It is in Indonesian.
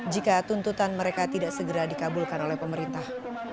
jika tuntutan mereka tidak segera dikabulkan oleh pemerintah